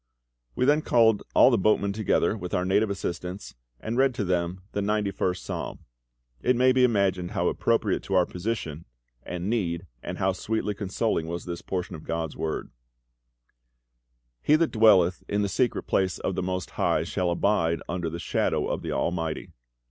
We then called all the boatmen together, with our native assistants, and read to them the ninety first Psalm. It may be imagined how appropriate to our position and need and how sweetly consoling was this portion of GOD'S Word: "He that dwelleth in the secret place of the MOST HIGH Shall abide under the shadow of the ALMIGHTY.